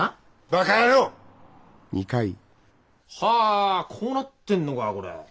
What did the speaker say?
バカ野郎！はあこうなってんのかこれ。